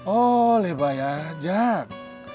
oleh bayar jack